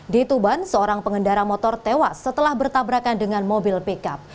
di tuban seorang pengendara motor tewas setelah bertabrakan dengan mobil pickup